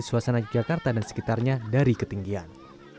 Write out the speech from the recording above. suasana yogyakarta dan sekitarnya dari ketinggian